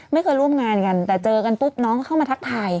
ไม่เคยร่วมงานกันแต่เจอกันปุ๊บน้องก็เข้ามาทักทาย